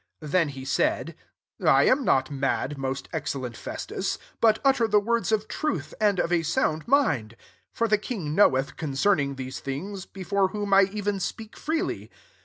25 Then he said, " I am not mad, most excellent Festus ; but ut ter the words of truth and of a sound mind. 26 For the king knoweth concerning these things, before whom I even speak freely.